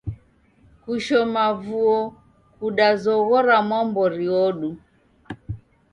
Kushoma vuo kudazoghora mwambori wodu.